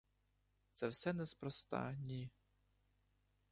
Це все неспроста, ні!